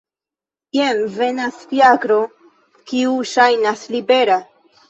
Jen venas fiakro kiu ŝajnas libera.